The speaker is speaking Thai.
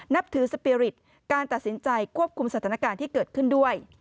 นับถือสปีริตการตัดสินใจควบคุมสถานการณ์ที่เกิดขึ้นด้วย